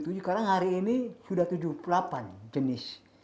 sekarang hari ini sudah tujuh puluh delapan jenis